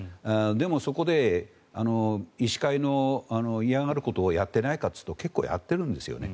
でも、そこで医師会の嫌がることをやっていないかというと結構やっているんですよね。